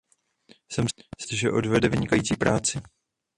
Jsem si jist, že odvede vynikající práci.